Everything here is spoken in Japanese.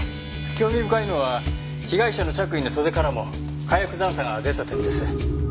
興味深いのは被害者の着衣の袖からも火薬残渣が出た点です。